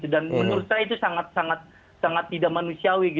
dan menurut saya itu sangat tidak manusiawi